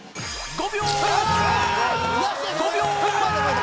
５秒！